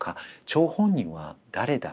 張本人は誰だ？